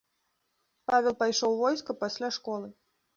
Павел пайшоў у войска пасля школы.